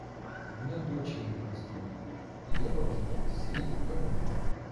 У меня дочери растут, и я должна жить в свете для мужа.